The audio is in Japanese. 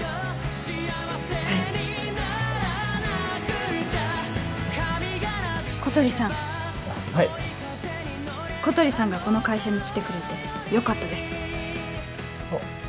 はい小鳥さんはい小鳥さんがこの会社に来てくれてよかったですあっ